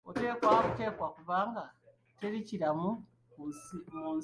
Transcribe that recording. Oteekwa buteekwa kubanga teri kiramu ku nsi kuno.